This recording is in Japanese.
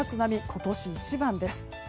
今年一番です。